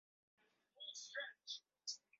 Mlo sahihi na kamili pamoja na mazoezi ya viungo